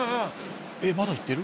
えっまだいってる？